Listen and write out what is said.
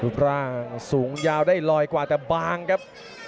ร่างสูงยาวได้ลอยกว่าแต่บางครับ